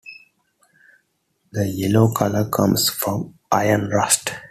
The yellow color comes from iron rust.